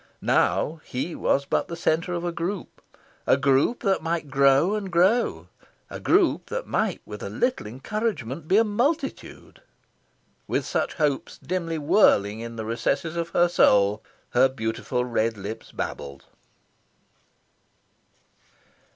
Now he was but the centre of a group a group that might grow and grow a group that might with a little encouragement be a multitude... With such hopes dimly whirling in the recesses of her soul, her beautiful red lips babbled.